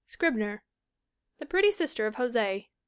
Scribner. The Pretty Sister of Jose, 1896.